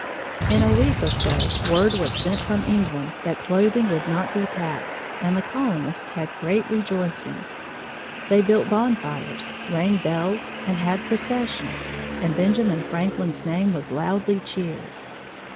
In a week or so word was sent from England that clothing would not be taxed, and the colonists had great rejoicings. They built bonfires, rang bells, and had processions; and Benjamin Franklin's name was loudly cheered.